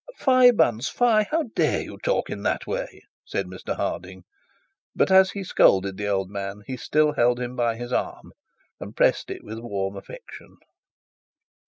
'Fie, Bunce, fie! how dare you talk in that way!' said Mr Harding; but as he scolded the old man he still held him by his arm, and pressed it with warm affection.